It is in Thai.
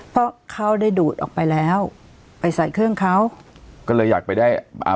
เพราะเขาได้ดูดออกไปแล้วไปใส่เครื่องเขาก็เลยอยากไปได้อ่า